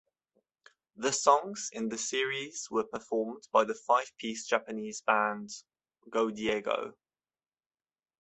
The songs in the series were performed by the five-piece Japanese band Godiego.